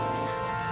masa yang menang